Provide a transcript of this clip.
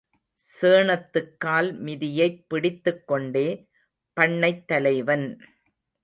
சேணத்துக்கால் மிதியைப் பிடித்துக்கொண்டே, பண்ணைத் தலைவன்.